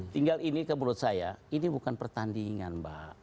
tinggal ini menurut saya ini bukan pertandingan mbak